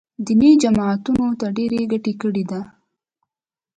دیني جماعتونو ته ډېره ګټه کړې ده